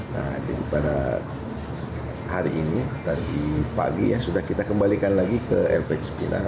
nah jadi pada hari ini tadi pagi ya sudah kita kembalikan lagi ke lp cipinang